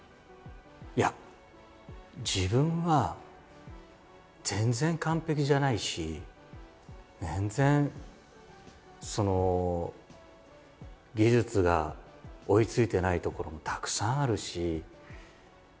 いや自分は全然完璧じゃないし全然その技術が追いついてないところもたくさんあるし。